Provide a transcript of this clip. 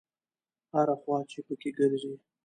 هره خوا چې په کې ګرځې.